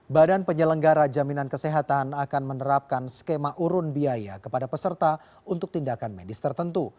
badan penyelenggara jaminan kesehatan akan menerapkan skema urun biaya kepada peserta untuk tindakan medis tertentu